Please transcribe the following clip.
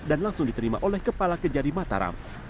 dan langsung diterima oleh kepala kejari mataram